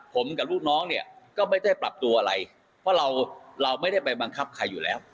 ผมกับลูกน้องเนี่ยก็ไม่ได้ปรับตัวอะไรเพราะเราเราไม่ได้ไปบังคับใครอยู่แล้ว